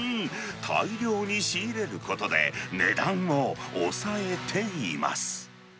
大量に仕入れることで、値段を抑えています。